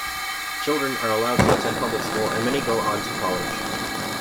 Children are allowed to attend public school and many go on to college.